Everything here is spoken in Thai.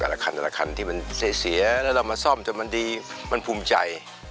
ละคันแต่ละคันที่มันเสียแล้วเรามาซ่อมจนมันดีมันภูมิใจ